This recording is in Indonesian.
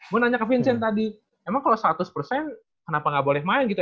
gue nanya ke vincent tadi emang kalau seratus kenapa ga boleh main gitu